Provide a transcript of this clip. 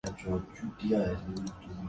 وہ پوری ہو گئی۔